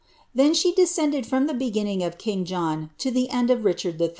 Then she descended from the beginning of king John to the end of Richard III.